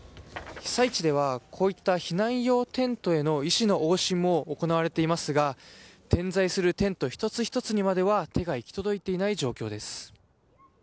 被災地ではこういった避難用テントへの医師の往診も行われていますが点在するテント一つ一つにまでは手が行き届いていない状況です。